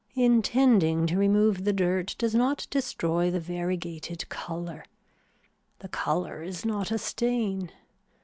Intending to remove the dirt does not destroy the variegated color. The color is not a stain.